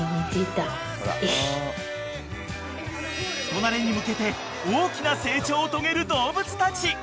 ［人なれに向けて大きな成長を遂げる動物たち］